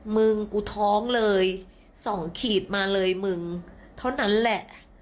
มึงกูท้องเลย๒ขีดมาเลยมึงเท่านั้นแหละ